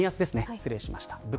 失礼しました。